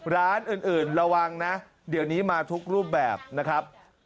ร้านอื่นระวังนะเดี๋ยวนี้มาทุกรูปแบบนะครับ